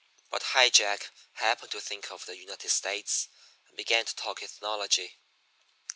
But High Jack happened to think of the United States, and began to talk ethnology.